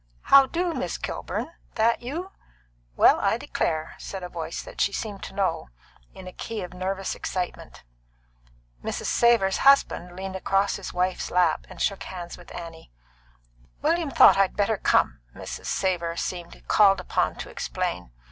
"How do, Miss Kilburn? That you? Well, I declare!" said a voice that she seemed to know, in a key of nervous excitement. Mrs. Savor's husband leaned across his wife's lap and shook hands with Annie. "William thought I better come," Mrs. Savor seemed called upon to explain.